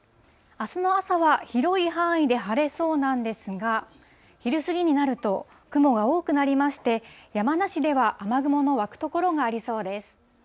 あすの朝は広い範囲で晴れそうなんですが、昼過ぎになると、雲が多くなりまして、山梨では雨雲の湧く所がありそうです。